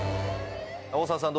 大沢さん